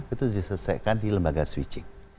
itu diselesaikan di lembaga switching